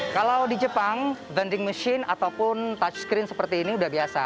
kalau di jepang vending machine ataupun touch screen seperti ini sudah biasa